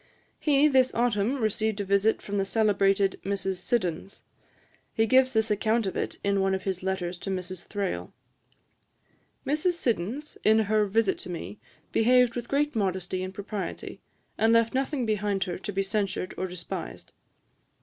He this autumn received a visit from the celebrated Mrs. Siddons. He gives this account of it in one of his letters to Mrs. Thrale: 'Mrs. Siddons, in her visit to me, behaved with great modesty and propriety, and left nothing behind her to be censured or despised.